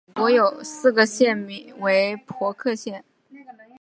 美国有四个县名为伯克县。